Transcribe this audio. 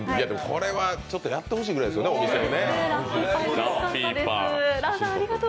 これはちょっとやってほしいくらいですね、お店を。